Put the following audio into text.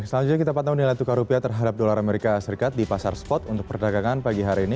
selanjutnya kita pantau nilai tukar rupiah terhadap dolar amerika serikat di pasar spot untuk perdagangan pagi hari ini